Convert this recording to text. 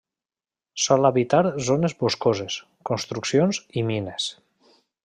Sol habitar zones boscoses, construccions i mines.